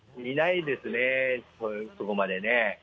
いないですね、そこまでね。